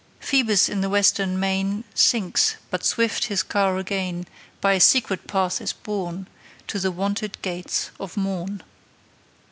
Phoebus in the western main Sinks; but swift his car again By a secret path is borne To the wonted gates of morn.